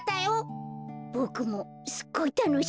ボクもすっごいたのしかった。